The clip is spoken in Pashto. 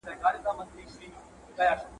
هیڅ حالت تلپاتې نه دی.